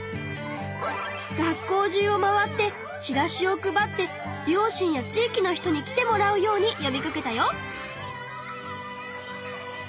学校中を回ってチラシを配って両親や地いきの人に来てもらうようによびかけたよ。